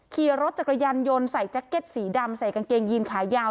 ขี่รถจักรยานยนต์ใส่แจ็คเก็ตสีดำใส่กางเกงยีนขายาว